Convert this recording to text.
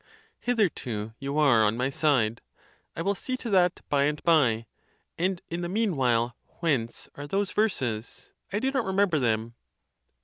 Hitherto you are on my side; I will see to that by and by; and, in the mean while, whence are those verses? I do not remember them.